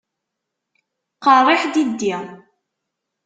Qeṛṛiḥ diddi!